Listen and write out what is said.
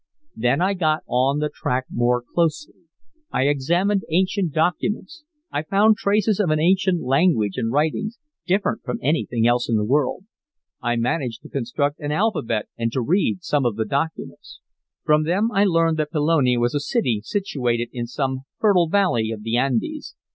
"Then I got on the track more closely. I examined ancient documents. I found traces of an ancient language and writings, different from anything else in the world. I managed to construct an alphabet and to read some of the documents. From them I learned that Pelone was a city situated in some fertile valley of the Andes.